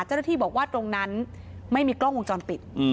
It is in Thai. เจ้าหน้าที่บอกว่าตรงนั้นไม่มีกล้องวงจรปิด